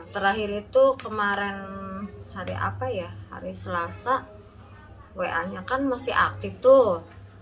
terakhir itu kemarin hari apa ya hari selasa wa nya kan masih aktif tuh